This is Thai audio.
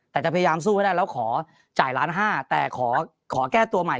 แต่จะพยายามสู้ให้ได้แล้วขอจ่ายล้านห้าแต่ขอแก้ตัวใหม่